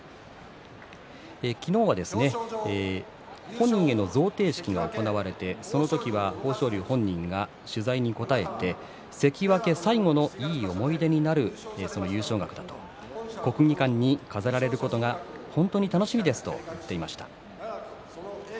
昨日は本人への贈呈式が行われて豊昇龍、本人が取材に答えて関脇最後のいい思い出になる優勝額だと国技館に飾られることが本当に楽しみだと言っていました。